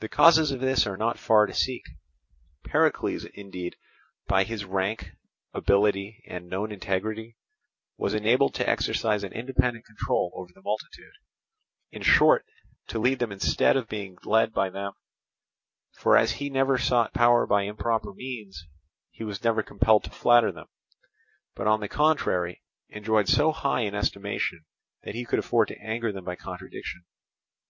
The causes of this are not far to seek. Pericles indeed, by his rank, ability, and known integrity, was enabled to exercise an independent control over the multitude—in short, to lead them instead of being led by them; for as he never sought power by improper means, he was never compelled to flatter them, but, on the contrary, enjoyed so high an estimation that he could afford to anger them by contradiction.